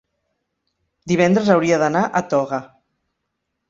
Divendres hauria d'anar a Toga.